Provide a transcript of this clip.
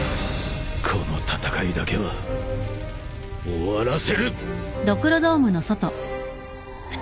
この戦いだけは終わらせる！